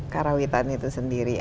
karawitan itu sendiri